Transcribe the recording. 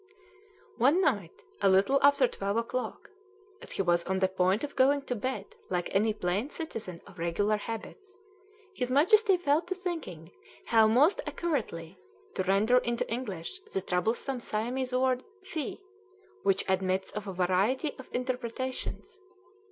One night, a little after twelve o'clock, as he was on the point of going to bed like any plain citizen of regular habits, his Majesty fell to thinking how most accurately to render into English the troublesome Siamese word phi, which admits of a variety of interpretations.